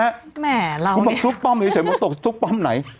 แม่เราเนี่ยคุณบอกซุกป้อมอย่างนี้เสร็จมันตกซุกป้อมไหน